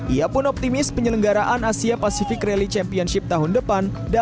ia pun optimis penyelenggaraan asia pacific rally championship tahun depan